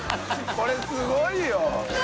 これすごいよ！